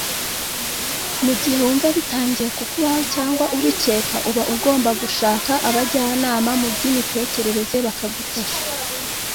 Mu gihe wumva bitangiye ku kubaho cyangwa ubikeka uba ugomba gushaka abajyanama mu by’imitekerereze bakagufasha